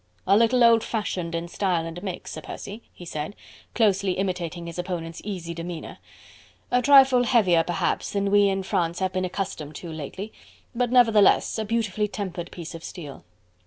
"A little old fashioned in style and make, Sir Percy," he said, closely imitating his opponent's easy demeanour, "a trifle heavier, perhaps, than we in France have been accustomed to lately, but, nevertheless, a beautifully tempered piece of steel."